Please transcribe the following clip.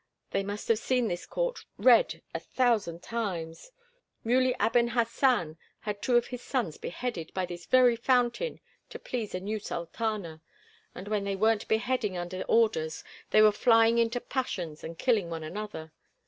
They must have seen this court red a thousand times: Muley Aben Hassan had two of his sons beheaded by this very fountain to please a new sultana; and when they weren't beheading under orders they were flying into passions and killing one another.